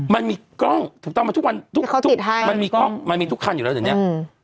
มันมีกล้องถูกต้องว่ามันทุกขั้นอยู่แล้วอันนี้